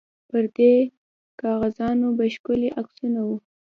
پر دې کاغذانو به ښکلي عکسونه وو.